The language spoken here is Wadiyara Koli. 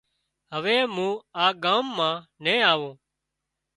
هوي مُون آ ڳام مان نين آوون